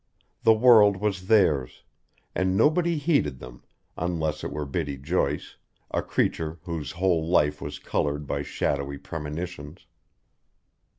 The world was theirs, and nobody heeded them, unless it were Biddy Joyce, a creature whose whole life was coloured by shadowy premonitions.